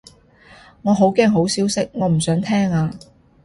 我好驚好消息，我唔想聽啊